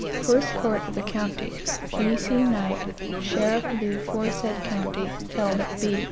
(First Court of the county, E. C. knight, sheriff of the aforesaid county, held at B.